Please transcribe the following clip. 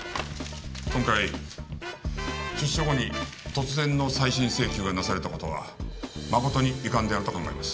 今回出所後に突然の再審請求がなされた事はまことに遺憾であると考えます。